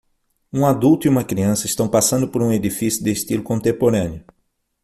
Um adulto e uma criança estão passando por um edifício de estilo contemporâneo.